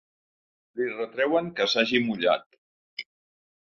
Li retreuen que s’hagi mullat.